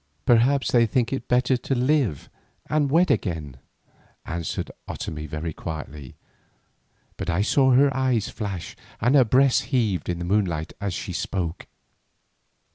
"Perhaps they think it better to live and wed again," answered Otomie very quietly, but I saw her eyes flash and her breast heave in the moonlight as she spoke.